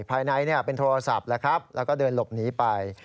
ภายในเป็นโทรศัพท์แล้วก็เดินหลบหนีไป